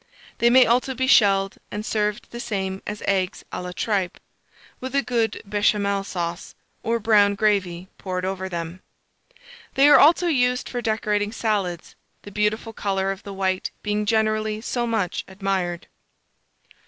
They may also be shelled, and served the same as eggs à la Tripe, with a good Béchamel sauce, or brown gravy, poured over them. They are also used for decorating salads, the beautiful colour of the white being generally so much admired.